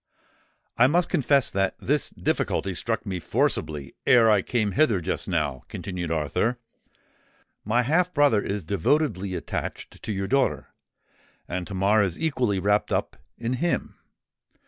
"I must confess that this difficulty struck me forcibly ere I came hither just now," continued Arthur. "My half brother is devotedly attached to your daughter; and Tamar is equally wrapped up in him.